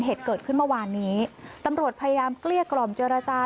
เหตุเกิดขึ้นเมื่อวานนี้ตำรวจพยายามเกลี้ยกล่อมเจรจา